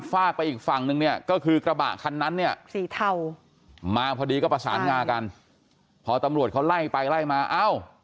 ฝากไปอีกฝั่งนึงเนี่ยก็คือกระบะคันนั้นเนี่ยสี่เท่ามา